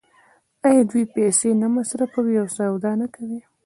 آیا دوی پیسې نه مصرفوي او سودا نه کوي؟